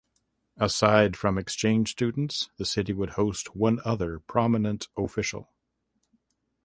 Aside from exchange students the city would host one other prominent official.